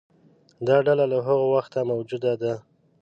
دا ډله له هغه وخته موجوده ده.